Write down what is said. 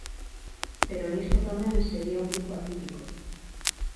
Pero nisto tamén sería un grupo atípico.